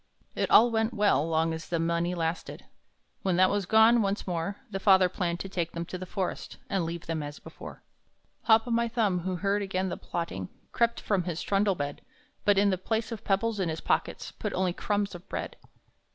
It all went well long as the money lasted. When that was gone, once more The father planned to take them to the forest, And leave them as before. Hop o' my Thumb, who heard again the plotting, Crept from his trundle bed, But in the place of pebbles in his pockets Put only crumbs of bread.